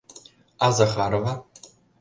А Захарова?..